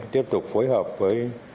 tiếp tục phối hợp với